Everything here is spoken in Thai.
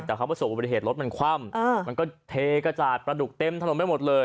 แต่ว่าส่วนประเภทรถมันคว่ำมันก็เทกระจาดปลาดุกเต็มถนนไปหมดเลย